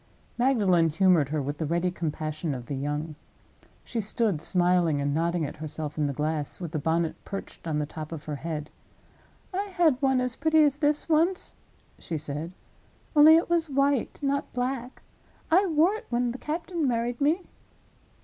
Magdalen humored her, with the ready compassion of the young. She stood smiling and nodding at herself in the glass, with the bonnet perched on the top of her head. "I had one as pretty as this, once," she said—"only it was white, not black. I wore it when the captain married me."